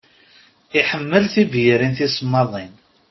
Iḥemmel tibyirin tisemmaḍin.